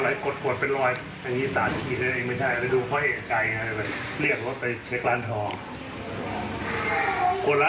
แล้วกับพระบาททั้งหมื่นบาทเราไม่สามารถยิ่งรับต่อไป